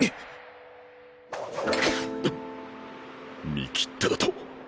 見切っただと？